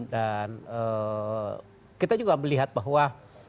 dan kita juga melihat bahwa